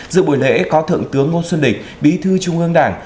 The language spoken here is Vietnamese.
giữa buổi lễ có thượng tướng ngô xuân địch bí thư trung ương đảng